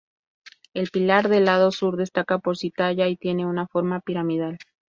El pilar del lado sur destaca por si talla y tiene una forma piramidal.